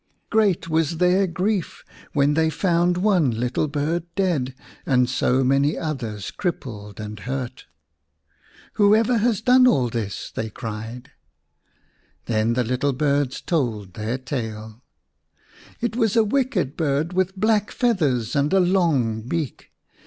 Great was their grief when they found one little bird dead and so many others crippled and hurt. " Whoever has done all this ?" they cried. Then the little birds told their tale. " It was a wicked bird with black feathers and a long beak.